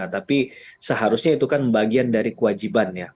tapi seharusnya itu kan bagian dari kewajiban ya